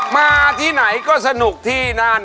มาที่ไหนก็สนุกที่นั่น